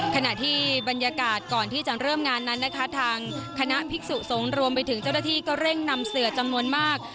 ขณะที่บรรยากาศก่อนที่จะเริ่มงานทางคานะภิกษุสงฆ์